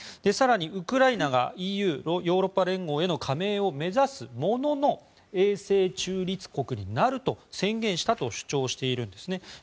更に、ウクライナがＥＵ・ヨーロッパ連合への加盟を目指すものの永世中立国になると宣言したと主張しているんですね。